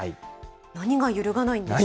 何が揺るがないんでしょうか。